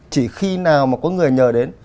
chỉ khi nào mà có người nhờ đến